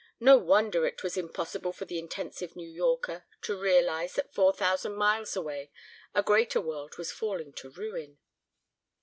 No wonder it was impossible for the intensive New Yorker to realize that four thousand miles away a greater world was falling to ruin.